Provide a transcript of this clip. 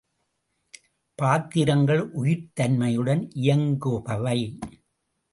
பாத்திரங்கள் உயிர்த் தன்மையுடன் இயங்குபவை.